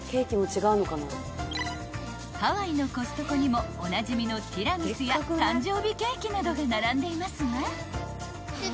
［ハワイのコストコにもおなじみのティラミスや誕生日ケーキなどが並んでいますが］